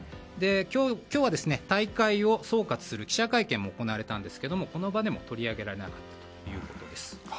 今日は大会を総括する記者会見も行われたんですけどもこの場でも取り上げられなかったということです。